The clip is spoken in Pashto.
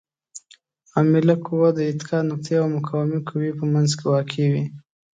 عامله قوه د اتکا نقطې او مقاومې قوې په منځ کې واقع وي.